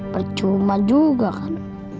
percuma juga kan